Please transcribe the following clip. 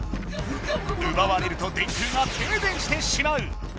うばわれると電空がてい電してしまう。